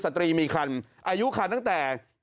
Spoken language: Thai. สตรีมีคันอายุคันตั้งแต่